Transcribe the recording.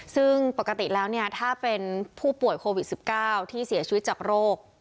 ซึ่งปกติแล้วเนี่ยถ้าเป็นผู้ป่วยโควิด๑๙ที่เสียชีวิตจากโรค